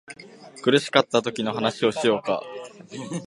苦しかったときの話をしようか